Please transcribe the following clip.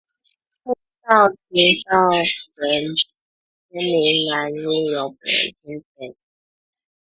護照持照人簽名欄應由本人親簽